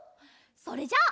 それじゃあ。